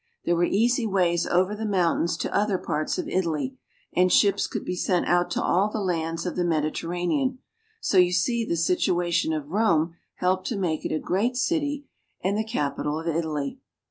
There were easy ways over the mountains to other parts of Italy, and ships could be sent out to all the lands of the Mediterranean ; so you see the situation of Rome helped to make it a great city and the capital of Italy.